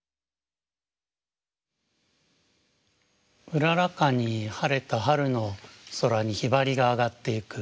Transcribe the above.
うららかに晴れた春の空に雲雀が上がっていく。